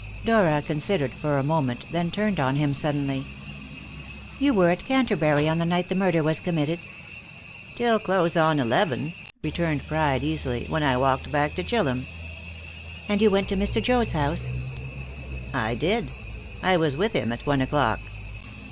Dora considered for a moment, then turned on him suddenly. "You were at Canterbury on the night the murder was committed?" "Till close on eleven," returned Pride easily; "then I walked back to Chillum." "And you went into Mr. Joad's house?" "I did. I was with him at one o'clock."